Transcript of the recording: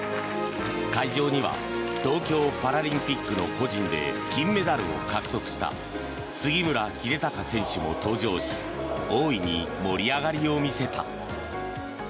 会場には東京パラリンピックの個人で金メダルを獲得した杉村英孝選手も登場し大いに盛り上がりを見せた。